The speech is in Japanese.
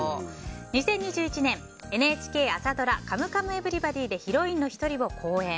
２０２１年、ＮＨＫ朝ドラ「カムカムエヴリバディ」でヒロインの１人を好演。